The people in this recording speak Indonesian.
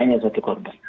hanya satu korban